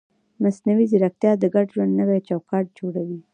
مصنوعي ځیرکتیا د ګډ ژوند نوی چوکاټ جوړوي.